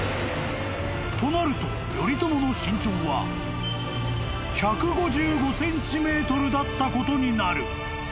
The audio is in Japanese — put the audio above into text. ［となると頼朝の身長は１５５ｃｍだったことになる］